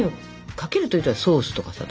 かけるっていったらソースとかさ。